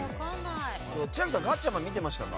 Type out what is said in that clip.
千秋さん、「ガッチャマン」見てましたか？